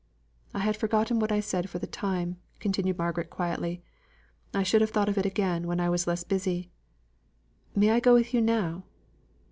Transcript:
"I had forgotten what I said for the time," continued Margaret quietly. "I should have thought of it again when I was less busy. May I go with you now?"